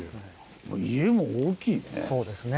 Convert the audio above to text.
家も大きいね。